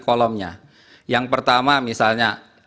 kolomnya yang pertama misalnya